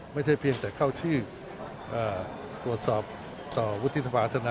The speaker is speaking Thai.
ไม่ใช่เพียงแต่เข้าชื่อตรวจสอบต่อวุฒิสภาธนา